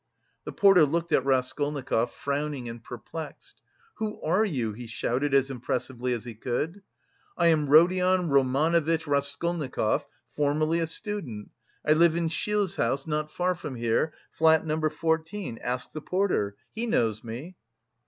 The porter looked at Raskolnikov, frowning and perplexed. "Who are you?" he shouted as impressively as he could. "I am Rodion Romanovitch Raskolnikov, formerly a student, I live in Shil's house, not far from here, flat Number 14, ask the porter, he knows me."